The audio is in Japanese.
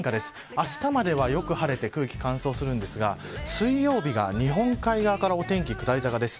あしたまでは、よく晴れて空気が乾燥するんですが水曜日が日本海側からお天気下り坂です。